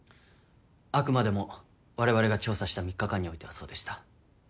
あくまでもわれわれが調査した３日間においてはそうでした。